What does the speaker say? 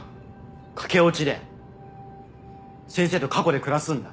駆け落ちだよ先生と過去で暮らすんだ。